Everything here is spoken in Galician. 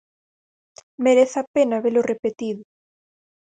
Merece a pena velo repetido.